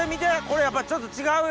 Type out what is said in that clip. これやっぱちょっと違うよ。